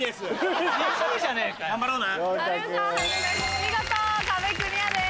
見事壁クリアです。